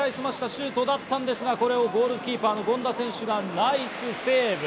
シュートだったんですが、ゴールキーパー・権田選手がナイスセーブ！